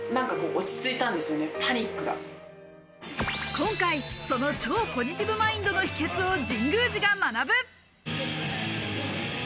今回、その超ポジティブマインドの秘けつを神宮寺が学ぶ。